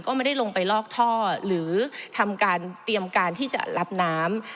ก็ไม่ได้ลงไปลอกท่อหรือทำการเตรียมการที่จะรับน้ำ